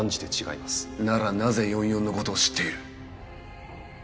ならなぜ４４の事を知っている？